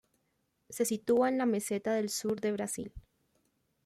Se sitúa en la meseta del sur de Brasil.